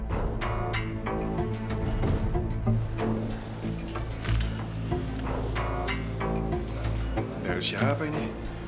dari siapa ini